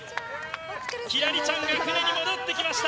輝星ちゃんが船に戻ってきました。